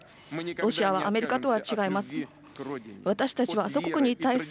ロシアはアメリカとは違います。